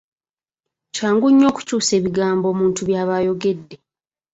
Kyangu nnyo okukyusa ebigambo omuntu byaba ayogedde.